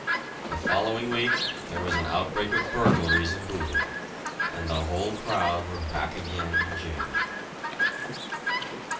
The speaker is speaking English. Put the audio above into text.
The following week there was an outbreak of burglaries in Bootle, and the whole crowd were back again in jail.